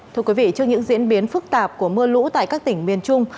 trước những diễn biến phức tạp của mưa lũ tại các tỉnh miền trung